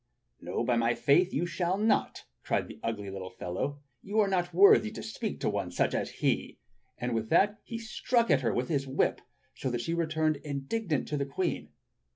"No, by my faith you shall not," cried the ugly little fellow. "You are not wwthy to speak to such a one as he!" And with that he struck at her wdth his whip, so that she returned indignant to the Queen.